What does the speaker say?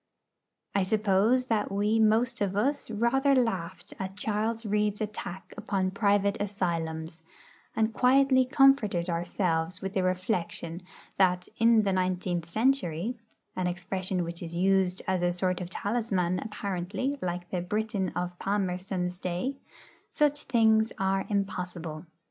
I suppose that we most of us rather laughed at Charles Reade's attack upon private asylums, and quietly comforted ourselves with the reflection that 'in the nineteenth century' (an expression which is used as a sort of talisman, apparently, like the 'Briton' of Palmerston's day) such things are impossible.